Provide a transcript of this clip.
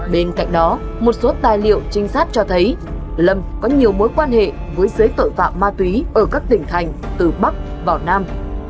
bên cạnh đó một số tài liệu trinh sát cho thấy lâm có nhiều mối quan hệ với giới tội phạm ma túy ở các tỉnh thành từ bắc vào nam